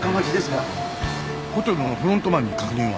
ホテルのフロントマンに確認は？